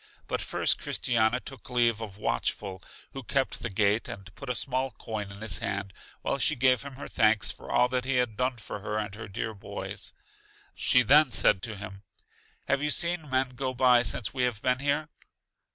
But first Christiana took leave of Watchful, who kept the gate, and put a small coin in his hand while she gave him her thanks for all that he had done for her and her dear boys. She then said to him, Have you seen men go by since we have been here?